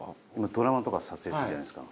ドラマとか撮影するじゃないですか。